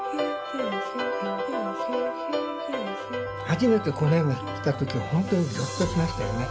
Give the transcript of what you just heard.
初めてこの絵がきた時は本当にぎょっとしましたよね。